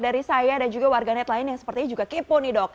dari saya dan juga warganet lain yang sepertinya juga kipu nih dok